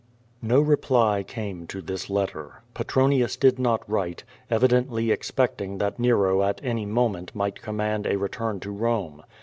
No reply came to this letter. Petronius did not write, evi dently expecting that Nero at any moment might command a return to Rome.